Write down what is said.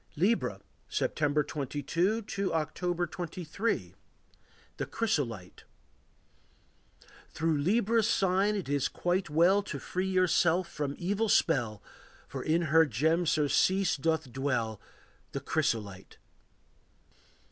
Libra. September 22 to October 23. The Chrysolite. Through Libra's sign it is quite well To free yourself from evil spell, For in her gem surcease doth dwell, The chrysolite.